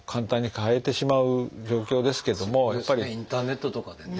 インターネットとかでね。